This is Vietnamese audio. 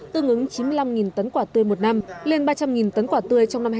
tương ứng chín mươi năm tấn quả tươi một năm lên ba trăm linh tấn quả tươi trong năm hai nghìn hai mươi